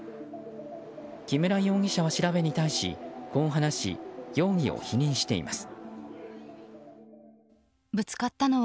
木村容疑者は調べに対しこう話し、容疑を否認しています。